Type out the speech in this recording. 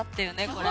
これ。